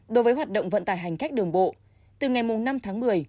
đối với hoạt động vận tải hành khách đường bộ từ ngày năm tháng một mươi